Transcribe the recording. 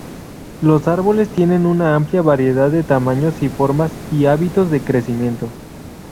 Los árboles tienen una amplia variedad de tamaños y formas y hábitos de crecimiento.